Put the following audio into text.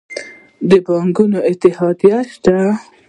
د بانکونو اتحادیه شته؟